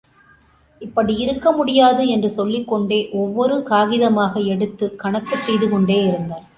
இப்படி யிருக்க முடியாது என்று சொல்லிக் கொண்டே, ஒவ்வொரு காகிதமாக எடுத்துக் கணக்குச் செய்து கொண்டே இருந்தான்.